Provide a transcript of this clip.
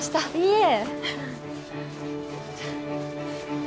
いえ。